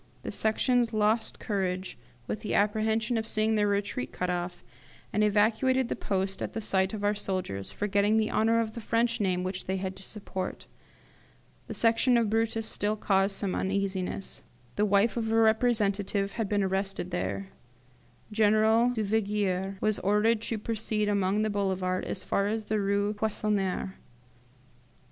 The Sections lost courage with the apprehension of seeing their retreat cut off, and evacuated the post at the sight of our soldiers, forgetting the honour of the French name which they had to support. The Section of Brutus still caused some uneasiness. The wife of a representative had been arrested there. General Duvigier was ordered to proceed along the Boulevard as far as the Rue Poissonniere.